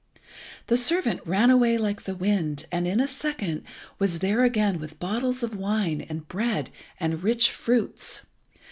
The servant ran away like the wind, and in a second was there again with bottles of wine, and bread, and rich fruits.